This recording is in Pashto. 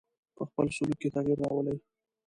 په خپل سلوک کې تغیر راولي.